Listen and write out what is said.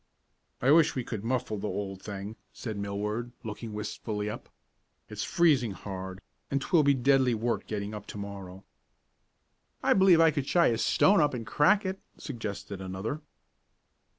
"I wish we could muffle the old thing," said Millward, looking wistfully up. "It's freezing hard, and 'twill be deadly work getting up to morrow." "I believe I could shy a stone up and crack it," suggested another.